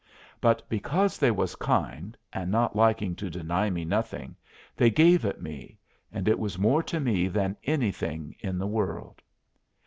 But, because they was kind, and not liking to deny me nothing, they gave it me, and it was more to me than anything in the world.